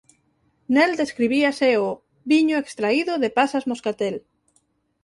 Nel describíase o "viño extraído de pasas moscatel".